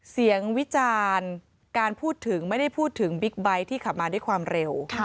วิจารณ์การพูดถึงไม่ได้พูดถึงบิ๊กไบท์ที่ขับมาด้วยความเร็ว